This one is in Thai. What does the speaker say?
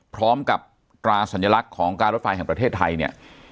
พร้อมกับกราศัลยลักษณ์ของการรถไฟแห่งประเทศไทยเนี่ย